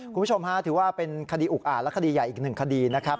คุณผู้ชมฮะถือว่าเป็นคดีอุกอ่านและคดีใหญ่อีกหนึ่งคดีนะครับ